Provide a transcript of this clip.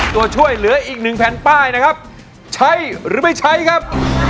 ตัวช่วยเหลืออีกหนึ่งแผ่นป้ายนะครับใช้หรือไม่ใช้ครับ